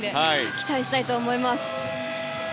期待したいと思います。